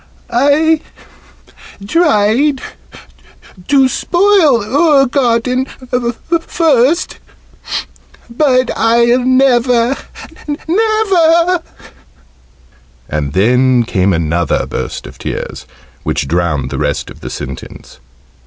"I tried to spoil oor garden first but I'll never never " and then came another burst of tears, which drowned the rest of the sentence.